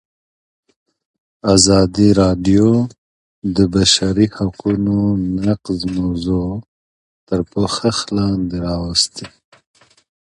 ازادي راډیو د د بشري حقونو نقض موضوع تر پوښښ لاندې راوستې.